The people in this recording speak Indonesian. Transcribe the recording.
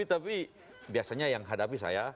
tapi biasanya yang hadapi saya